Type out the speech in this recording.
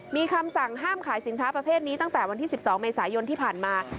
มีคำสั่งห้ามขายสินค้าประเภทนี้ตั้งแต่วันที่๑๒เมษายนที่ผ่านมา